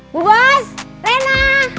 bu bu bas rena